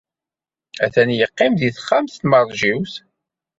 Atan yeqqim deg texxamt n timeṛjiwt.